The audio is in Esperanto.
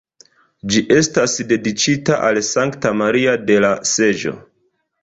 Ĝi estas dediĉita al Sankta Maria de la Seĝo.